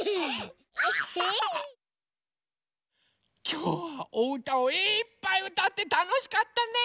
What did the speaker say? きょうはおうたをいっぱいうたってたのしかったね。